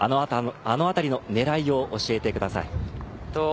あの辺りの狙いを教えてください。